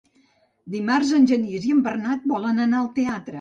Dimarts en Genís i en Bernat volen anar al teatre.